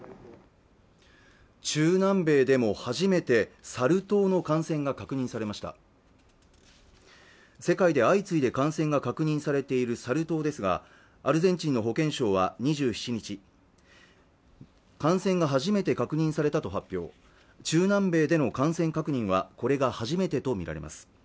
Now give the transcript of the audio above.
中南米でも初めてサル痘の感染が確認されました世界で相次いで感染が確認されているサル痘ですがアルゼンチンの保健省は２７日感染が初めて確認されたと発表中南米での感染確認はこれが初めてと見られます